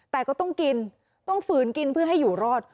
แต่ก็ต้องกินต้องฝืนกินเพื่อให้อยู่รอด